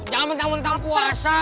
jangan mentang mentang puasa